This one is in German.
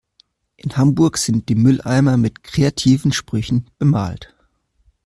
In Hamburg sind die Mülleimer mit kreativen Sprüchen bemalt.